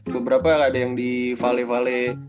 beberapa ada yang di vale vale